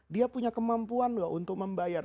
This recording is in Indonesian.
dia punya kemampuan loh untuk membayar